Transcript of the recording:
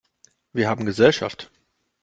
Wir haben Gesellschaft!